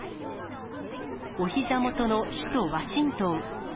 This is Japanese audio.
おひざ元の首都ワシントン。